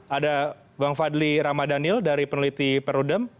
ada bang fadli ramadhanil dari peneliti perudem